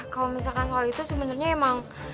kalau misalkan soal itu sebenernya emang